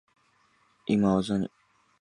今、技に…。